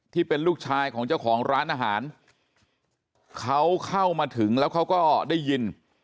ที่เป็นลูกชายของเจ้าของร้านอาหารเขาเข้ามาถึงแล้วเขาก็ได้ยิน